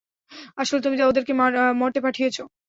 আসলে, তুমি ওদেরকে মরতে পাঠিয়েছ।